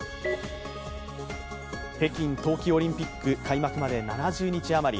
北京冬季オリンピック開幕まで７０日余り。